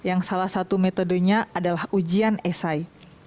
yang salah satu metodenya adalah ujian esai